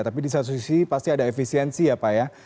tapi di satu sisi pasti ada efisiensi ya pak ya